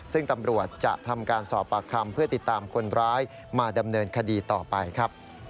ซึ่งตำรวจจะทำการสอบปากคำเพื่อติดตามคนร้ายมาดำเนินคดีต่อไปครับ